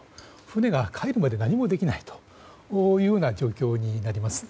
船が帰るまで何もできない状況になります。